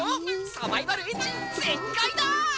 サバイバルエンジンぜんかいだ！